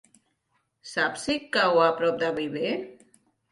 Saps si cau a prop de Viver?